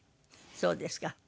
そうですか。